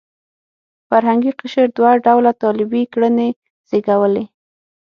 فرهنګي قشر دوه ډوله طالبي کړنې زېږولې.